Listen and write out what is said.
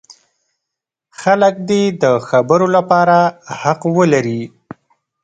خلک دې د خبرو لپاره حق ولري.